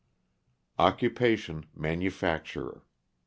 Occupation, manufacturer.